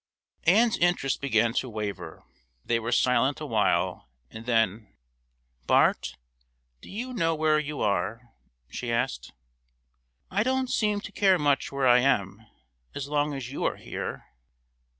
Ann's interest began to waver. They were silent awhile, and then, "Bart, do you know where you are?" she asked. "I don't seem to care much where I am, as long as you are here."